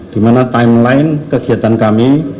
dimana timeline kegiatan kami